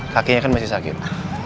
kakinya kan masih sakit